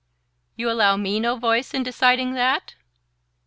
"You allow me no voice in deciding that?"